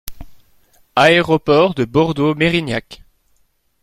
Aéroport de Bordeaux-Mérignac.